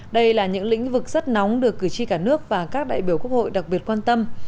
đây là những lĩnh vực rất nóng được cử tri cả nước và các đại biểu quốc hội đặc biệt quan tâm